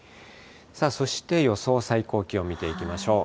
さあそして、予想最高気温見ていきましょう。